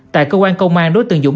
tại cơ quan công an đối tượng dũng